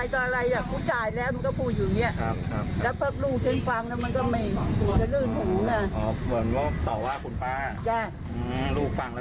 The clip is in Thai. ทะเลาะกันตั้งแต่